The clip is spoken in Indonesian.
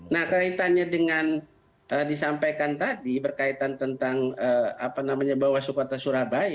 nah kaitannya dengan disampaikan tadi berkaitan tentang bawaslu kota surabaya